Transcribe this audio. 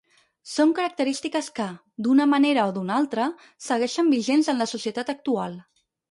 Són característiques que, d'una manera o d'una altra, segueixen vigents en la societat actual.